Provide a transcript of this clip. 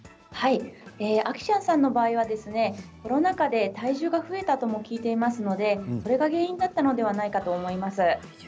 あきちゃんさんの場合はコロナ禍で体重が増えたとも聞いていますのでこれが原因だったのではないかと思います。